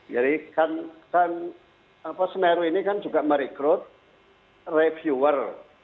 jadi semeru ini kan juga merekrut reviewer